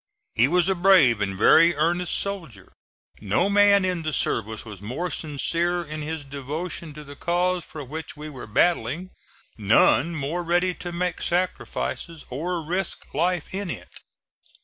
He was a brave and very earnest soldier. No man in the service was more sincere in his devotion to the cause for which we were battling; none more ready to make sacrifices or risk life in it.